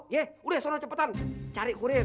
ye udah sudah cepetan cari kurir